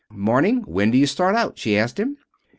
"'Morning! When do you start out?" she asked him.